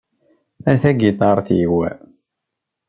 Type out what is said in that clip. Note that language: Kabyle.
A tagiṭart-iw...